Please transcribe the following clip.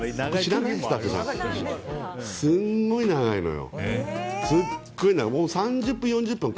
すんごい長いのよ。